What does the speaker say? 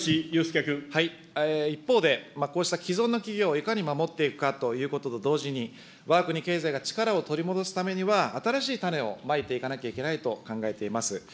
一方で、こうした既存の企業をいかに守っていくかということと同時に、わが国経済が力を取り戻すためには、新しい種をまいていかなきゃいけないと考えています。